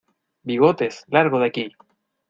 ¡ Bigotes, largo de aquí!